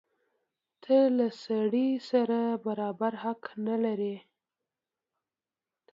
ته له سړي سره برابر حق نه لرې.